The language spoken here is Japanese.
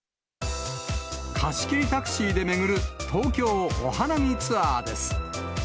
貸し切りタクシーで巡る、東京お花見ツアーです。